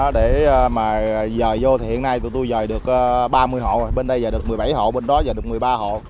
để mà giờ vô thì hiện nay tụi tôi dời được ba mươi hộ bên đây giờ được một mươi bảy hộ bên đó và được một mươi ba hộ